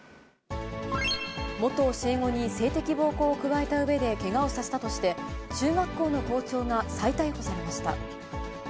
元教え子に性的暴行を加えたうえで、けがをさせたとして、中学校の校長が再逮捕されました。